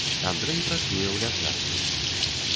Андрэй працуе ў лясгасе.